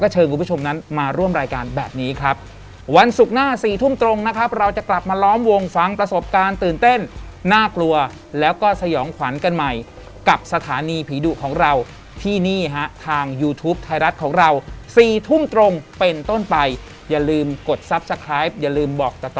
ชื่อของเขาจริงเลยที่เขาเสียจริงเลยใช่ไหม